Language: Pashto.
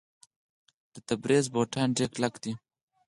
د تبریز بوټان ډیر کلک دي.